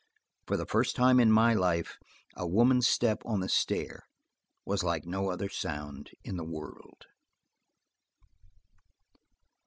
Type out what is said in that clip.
For the first time in my life a woman's step on the stair was like no other sound in the world.